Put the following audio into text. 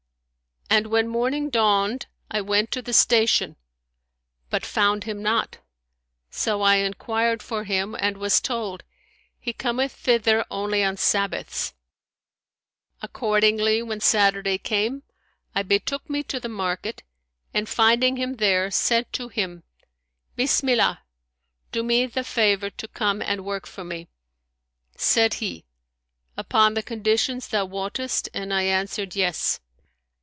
And when morning dawned, I went to the station but found him not; so I enquired for him and was told, He cometh thither only on Sabbaths.' Accordingly, when Saturday came, I betook me to the market and finding him there, said to him, Bismillah, do me the favour to come and work for me.' Said he, Upon the conditions thou wottest;' and I answered Yes!'